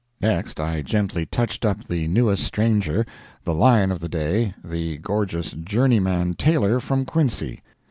Next I gently touched up the newest stranger the lion of the day, the gorgeous journeyman tailor from Quincy.